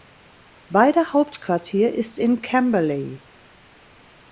Beider Hauptquartier ist in Camberley.